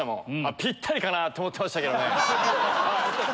ピッタリかなと思ってましたけどね。